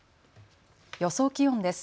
予想気温です。